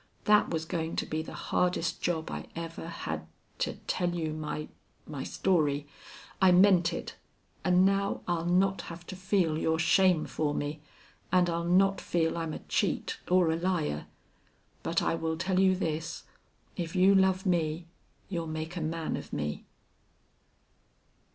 That was going to be the hardest job I ever had to tell you my my story. I meant it. And now I'll not have to feel your shame for me and I'll not feel I'm a cheat or a liar.... But I will tell you this if you love me you'll make a man of me!"